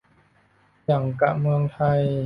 หยั่งกะเมืองไทย